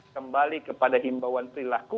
kembali kepada himbauan perilaku